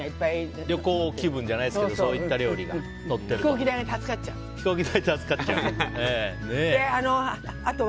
旅行気分じゃないですけどそういった料理が載ってると。